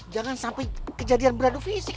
jangan sampai kejadian beradu fisik